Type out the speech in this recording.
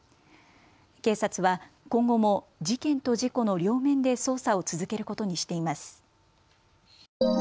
警察は今後も事件と事故の両面で捜査を続けることにしています。